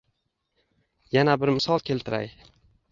Yana bir misol keltiray: